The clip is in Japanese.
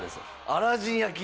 アラジン焼き？